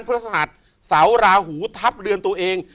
พระสหัสเสาราหูทับเรือนตัวเอง